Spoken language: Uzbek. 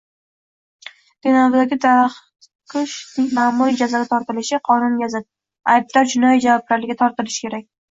Denovdagi “daraxtkush”ning ma'muriy jazoga tortilishi qonunga zid. Aybdor jinoiy javobgarlikka tortilishi kerak